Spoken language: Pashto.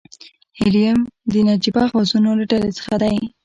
هیلیم د نجیبه غازونو له ډلې څخه دی.